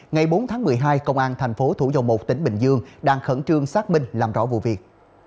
ngày bốn tháng một mươi hai công an thành phố thủ dầu một tỉnh bình dương đang khẩn trương xác minh làm rõ vụ việc